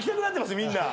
みんな。